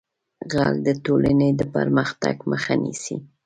غل د ټولنې د پرمختګ مخه نیسي